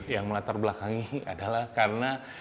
yang melatar belakangi adalah karena